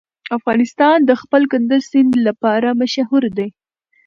افغانستان د خپل کندز سیند لپاره مشهور دی.